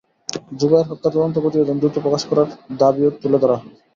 জুবায়ের হত্যার তদন্ত প্রতিবেদন দ্রুত প্রকাশ করার দাবিও তুলে ধরা হয়।